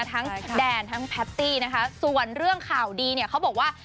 ทั้งแดนทั้งแพตตี้นะคะส่วนเรื่องข่าวดีเนี่ยเขาบอกว่า